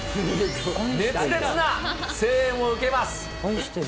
熱烈な声援を受けます。